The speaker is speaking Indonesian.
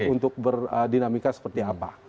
untuk berdinamika seperti apa